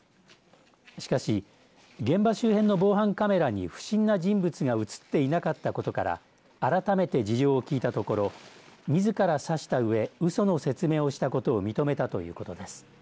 しかし、現場周辺の防犯カメラに不審な人物が映っていなかったことから改めて事情を聴いたところみずから刺したうえうその説明をしたことを認めたということです。